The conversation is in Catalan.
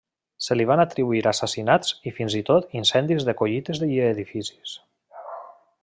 Se li van atribuir assassinats i fins i tot incendis de collites i edificis.